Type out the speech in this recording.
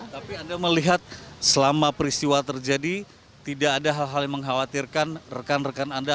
tapi anda melihat selama peristiwa terjadi tidak ada hal hal yang mengkhawatirkan rekan rekan anda